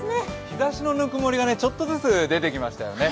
日ざしのぬくもりがちょっとずつ出てきましたね。